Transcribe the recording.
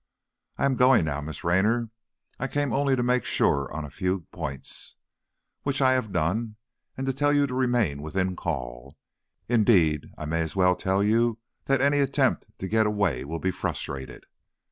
I am going now Miss Raynor. I came only to make sure on a few points, which I have done, and to tell you to remain within call. Indeed, I may as well tell you that any attempt to get away will be frustrated."